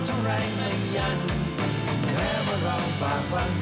ทางจะใกล้หรือใกล้ไม่สำคัญ